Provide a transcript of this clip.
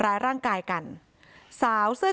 โปรดติดตามต่อไป